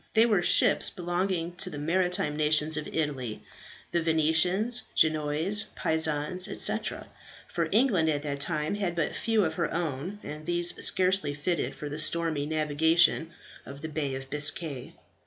They were ships belonging to the maritime nations of Italy the Venetians, Genoese, Pisans, etc.; for England at that time had but few of her own, and these scarcely fitted for the stormy navigation of the Bay of Biscay.